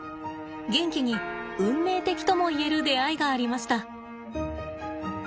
ゲンキに運命的とも言える出会いがありました。